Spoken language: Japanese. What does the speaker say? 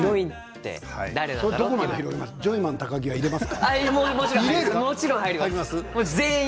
ジョイマン高木は全員入ります。